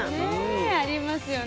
ありますよね。